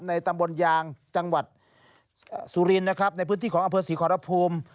ตำบลยางจังหวัดสุรินนะครับในพื้นที่ของอำเภอศรีขอรภูมิ